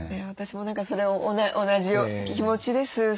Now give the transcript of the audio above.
私も何かそれは同じような気持ちです。